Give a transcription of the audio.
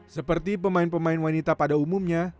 seperti pemain pemain wanita pada umumnya